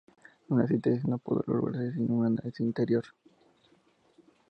Una síntesis no puede lograrse sin un análisis anterior.